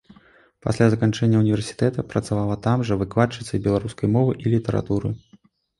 Пасля заканчэння ўніверсітэта працавала там жа выкладчыцай беларускай мовы і літаратуры.